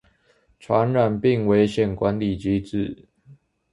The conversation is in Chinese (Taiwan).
傳染病危機管理機制